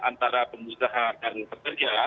antara pengusaha dan pekerja